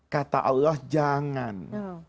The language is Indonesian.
kata allah jangan